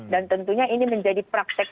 dan tentunya ini menjadi praktek